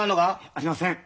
ありません。